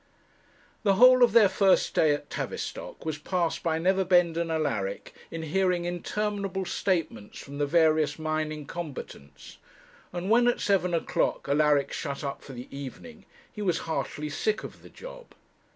The whole of their first day at Tavistock was passed by Neverbend and Alaric in hearing interminable statements from the various mining combatants, and when at seven o'clock Alaric shut up for the evening he was heartily sick of the job.